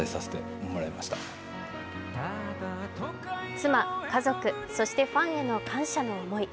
妻、家族、そしてファンへの感謝の思い。